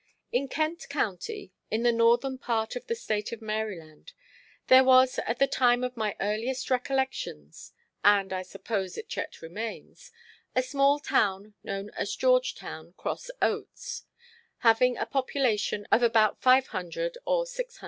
In Kent County, in the northern part of the State of Maryland, there was at the time of my earliest recollections (and I suppose it yet remains), a small town known as George Town Cross Oats, having a population of about 500 or 600.